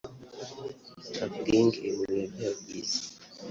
“Tuff Gangs iri mu bihe byayo byiza